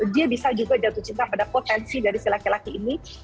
dia bisa juga jatuh cinta pada potensi dari si laki laki ini